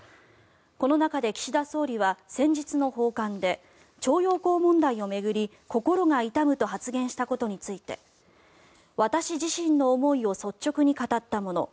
この中で岸田総理は先日の訪韓で徴用工問題を巡り心が痛むと発言したことについて私自身の思いを率直に語ったもの